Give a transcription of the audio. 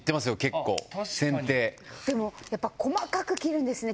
結構剪定でもやっぱ細かく切るんですね